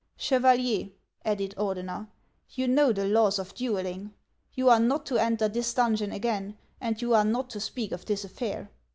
"Chevalier," added Ordener, "you know the laws of duelling. You are not to enter this donjon again, and you are not to speak of this affair."